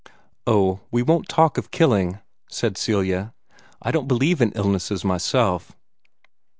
"Oh, we won't talk of killing," said Celia. "I don't believe in illnesses myself."